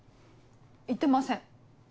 言ってません。